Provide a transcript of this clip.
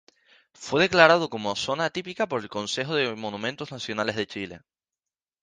Fue declarado como zona típica por el Consejo de Monumentos Nacionales de Chile.